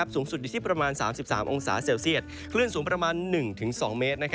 สูงสุดอยู่ที่ประมาณ๓๓องศาเซลเซียตคลื่นสูงประมาณ๑๒เมตร